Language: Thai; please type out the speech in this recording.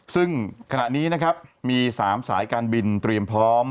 ซึ่งขณะนี้นะครับมี๓สายการบินเตรียมพร้อม